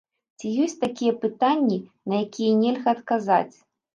Ці ёсць такія пытанні, на якія нельга адказаць?